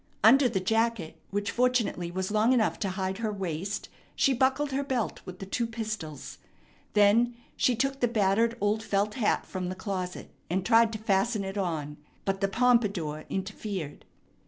Under the jacket, which fortunately was long enough to hide her waist, she buckled her belt with the two pistols. Then she took the battered old felt hat from the closet, and tried to fasten it on; but the pompadour interfered.